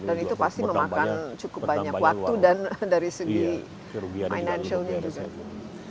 dan itu pasti memakan cukup banyak waktu dan dari segi financialnya juga